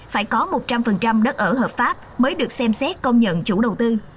phải có một trăm linh đất ở hợp pháp mới được xem xét công nhận chủ đầu tư